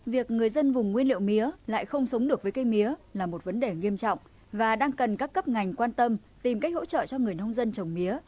việc người dân vùng nguyên liệu mía lại không sống được với cây mía là một vấn đề nghiêm trọng và đang cần các cấp ngành quan tâm tìm cách hỗ trợ cho người nông dân trồng mía